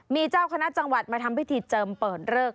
มีเจ้าคณะจังหวัดมาทำพิธีเจิมเปิดเริก